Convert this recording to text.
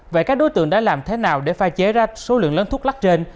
vậy các đối tượng đã làm thế nào để pha chế ra số lượng lớn thuốc lắc trên